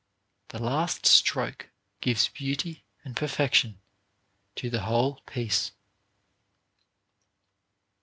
The last stroke gives beauty and perfection to the whole p:ec3.